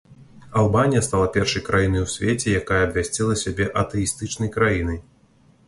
Албанія стала першай краінай у свеце, якая абвясціла сябе атэістычнай краінай.